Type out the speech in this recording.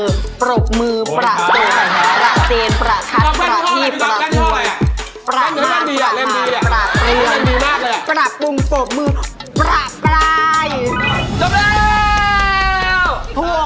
จบแล้ว